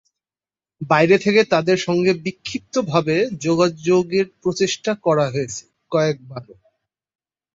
বাইরে থেকে তাদের সঙ্গে বিক্ষিপ্তভাবে যোগাযোগের প্রচেষ্টা করা হয়েছে কয়েকবারও।